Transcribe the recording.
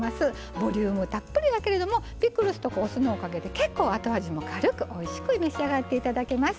ボリュームたっぷりだけれどもピクルスとお酢のおかげで結構後味も軽くおいしく召し上がって頂けます。